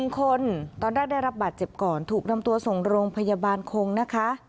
๑คนตอนแรกได้รับบาดเจ็บก่อนถูกนำตัวส่งโรงพยาบาลคงนะคะ